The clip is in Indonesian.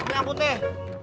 lo yang putih